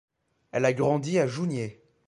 Elle a grandi à Jounieh.